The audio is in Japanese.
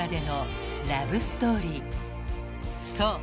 ［そう。